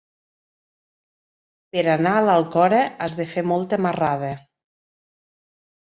Per anar a l'Alcora has de fer molta marrada.